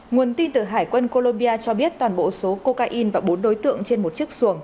nguồn tin từ hải quân colombia cho biết toàn bộ số cocaine và bốn đối tượng trên một chiếc xuồng